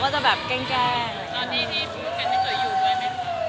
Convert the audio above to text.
แล้วที่พี่พุทธแค่จะอยู่ด้วยมั้ย